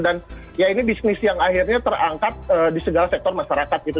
dan ya ini bisnis yang akhirnya terangkat di segala sektor masyarakat gitu